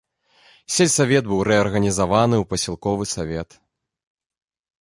Сельсавет быў рэарганізаваны ў пасялковы савет.